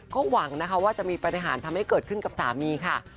ก็หวังนะคะว่าจะมีปฏิหารทำให้เกิดขึ้นกับสามีค่ะ